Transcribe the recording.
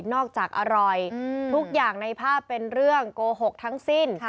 จากอร่อยทุกอย่างในภาพเป็นเรื่องโกหกทั้งสิ้น